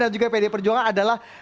dan juga pd perjuangan adalah